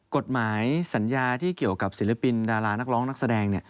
กฎหมายสัญญาที่เกี่ยวกับศิลปินดารานักร้องนักแสดง